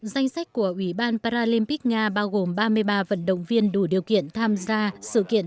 danh sách của ủy ban paralympic nga bao gồm ba mươi ba vận động viên đủ điều kiện tham gia sự kiện